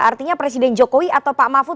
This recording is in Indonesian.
artinya presiden jokowi atau pak mahfud